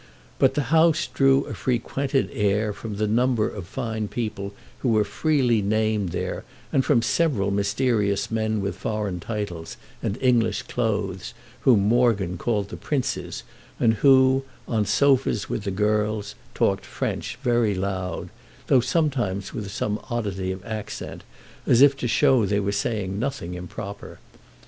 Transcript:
But the house drew a frequented air from the number of fine people who were freely named there and from several mysterious men with foreign titles and English clothes whom Morgan called the princes and who, on sofas with the girls, talked French very loud—though sometimes with some oddity of accent—as if to show they were saying nothing improper.